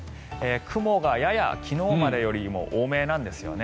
雲がやや昨日までよりも多めなんですよね。